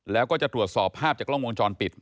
แล้วก็จะตรวจสอบภาพจากกล้องวงจรปิด